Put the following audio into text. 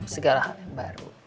segala hal yang baru